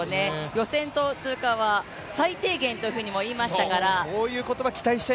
予選通過は最低限とも言いましたから。